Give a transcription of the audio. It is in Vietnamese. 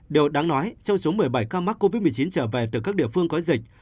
điều đáng nói trong số một mươi bảy ca mắc covid một mươi chín trở về từ các địa phương có dịch